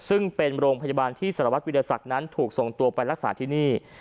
ซึ่งเป็นโรงพยาบาลที่สารวัตรวิทยาศักดิ์นั้นถูกส่งตัวไปรักษาที่นี่